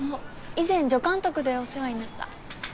以前助監督でお世話になった。